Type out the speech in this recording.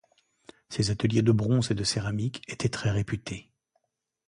Ses ateliers de bronze et de céramique étaient très réputés.